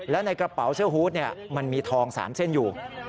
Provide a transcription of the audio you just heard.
และในกระเป๋าเสื้อฮูตมันมีทอง๓เส้นอยู่